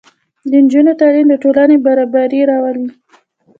د نجونو تعلیم د ټولنې برابري راولي.